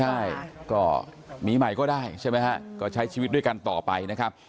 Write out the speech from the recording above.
ใช่ก็มีใหม่ก็ได้ใช่ไหมฮะก็ใช้ชีวิตด้วยกันต่อไปนะครับ